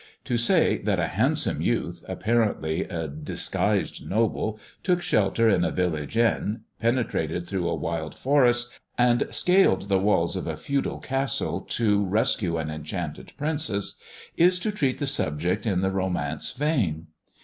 To say that a hand some youth, apparently a disguised noble, took shelter in a village inn, penetrated through a wild forest, and scaled the walls of a feudal castle to rescue an enchanted princess, is to treat the subject in the romance vein.